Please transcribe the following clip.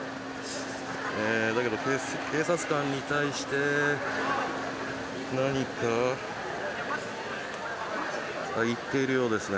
だけど警察官に対して何か言っているようですね。